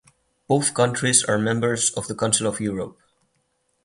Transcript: Both countries are members of the Council of Europe.